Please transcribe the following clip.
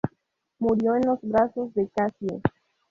Murió en los brazos de Cassie.